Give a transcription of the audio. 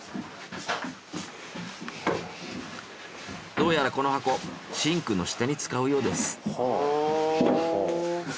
どうやらこの箱シンクの下に使うようです。